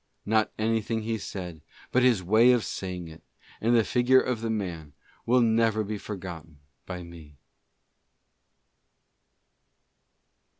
Not anything he said, bu: his ::" saying it, and the figure of the man, wilJ never be forgotten by me.